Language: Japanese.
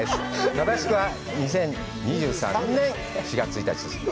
正しくは２０２３年４月１日です。